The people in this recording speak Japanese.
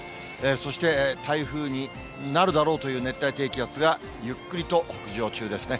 そして、台風になるだろうという熱帯低気圧が、ゆっくりと北上中ですね。